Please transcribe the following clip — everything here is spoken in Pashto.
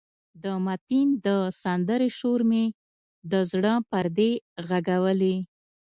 د متین د سندرې شور مې د زړه پردې غږولې.